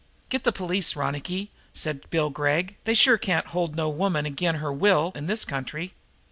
"Get the police, Ronicky," said Bill Gregg. "They sure can't hold no woman agin' her will in this country."